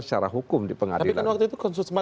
secara hukum di pengadilan tapi kan waktu itu